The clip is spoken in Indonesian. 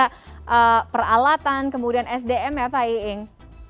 ada peralatan kemudian sdm ya pak iing